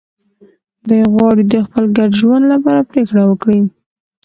دوی غواړي د خپل ګډ ژوند لپاره پرېکړه وکړي.